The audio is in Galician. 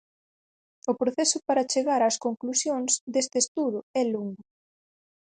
O proceso para chegar ás conclusións deste estudo é longo.